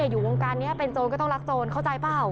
อยู่วงการนี้เป็นโจรก็ต้องรักโจรเข้าใจเปล่า